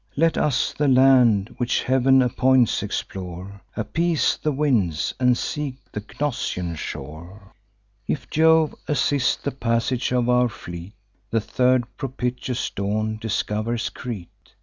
Let us the land which Heav'n appoints, explore; Appease the winds, and seek the Gnossian shore. If Jove assists the passage of our fleet, The third propitious dawn discovers Crete.